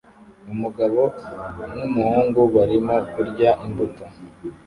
Umugabo n'umuhungu barimo kurya imbuto